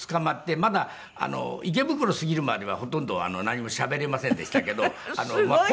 まだ池袋過ぎるまではほとんど何もしゃべれませんでしたけど。